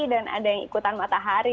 dan ada yang ikutan matahari